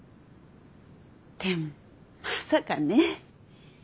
でもまさかね。